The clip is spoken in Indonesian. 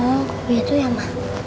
oh gitu ya ma